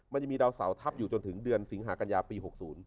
มันจะมีดาวเสาทับอยู่จนถึงเดือนสิงหากัญญาปี๖๐